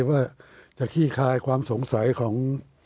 ว่าจะขี้คายความสงสัยของ